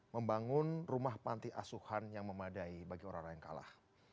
membangun rumah panti asuhan yang memadai bagi orang orang yang kalah